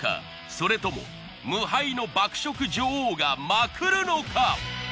それとも無敗の爆食女王がまくるのか？